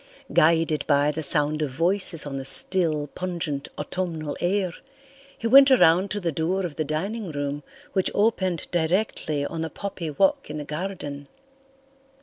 Guided by the sound of voices on the still, pungent autumnal air, he went around to the door of the dining room which opened directly on the poppy walk in the garden.